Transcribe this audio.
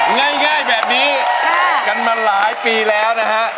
ง่ายแบบนี้กันมาหลายปีแล้วนะฮะ